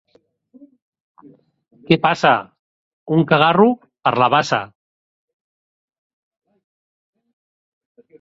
Què passa? —Un cagarro per la bassa.